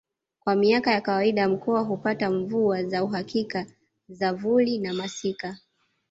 Kwa miaka ya kawaida mkoa hupata mvua za uhakika za vuli na masika